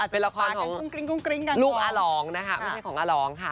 เป็นละครของลูกอรองค์ไม่ใช่ของอรองค์